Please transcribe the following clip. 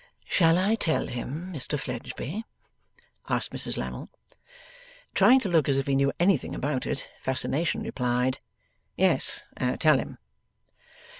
'Shall I tell him, Mr Fledgeby?' asked Mrs Lammle. Trying to look as if he knew anything about it, Fascination replied, 'Yes, tell him.